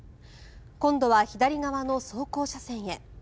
今度は左側の走行車線へ。